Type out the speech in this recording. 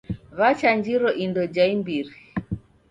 W'achanjiro indo ja imbiri.